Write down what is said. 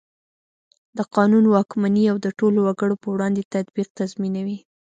د قانون واکمني او د ټولو وګړو په وړاندې تطبیق تضمینوي.